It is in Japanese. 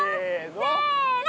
せの。